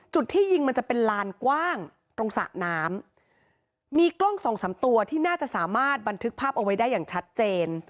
ที่ยิงมันจะเป็นลานกว้างตรงสระน้ำมีกล้องสองสามตัวที่น่าจะสามารถบันทึกภาพเอาไว้ได้อย่างชัดเจน